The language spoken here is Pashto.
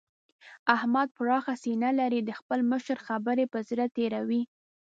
احمد پراخه سينه لري؛ د خپل مشر خبرې پر زړه تېروي.